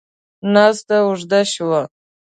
ناسته اوږده شوه.